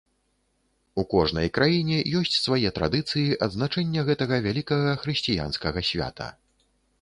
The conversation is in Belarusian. У кожнай краіне ёсць свае традыцыі адзначэння гэтага вялікага хрысціянскага свята.